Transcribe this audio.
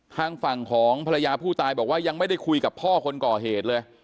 ทางฝั่งของภรรยาผู้ตายบอกว่ายังไม่ได้คุยกับพ่อคนก่อเหตุเลย